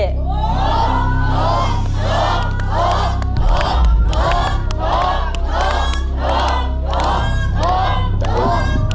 ถอด